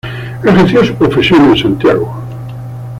Ejerció su profesión en Santiago.